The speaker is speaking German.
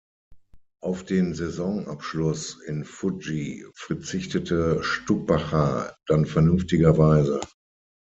Auf den Saisonabschluss in Fuji verzichtete Stuppacher dann vernünftigerweise.